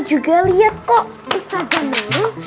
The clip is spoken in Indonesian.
juga liat kok ustazah nurul